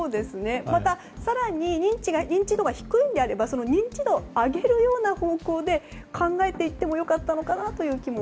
また更に認知度が低いのであれば認知度を上げるような方向で考えていっても良かったのかなという気も。